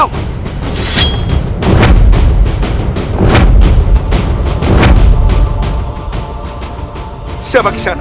untuk mengantarkan nyawanya